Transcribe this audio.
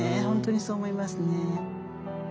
本当にそう思いますね。